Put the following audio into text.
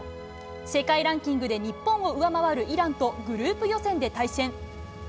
世界ランキングで日本を上回るイランとグループ予選で対戦。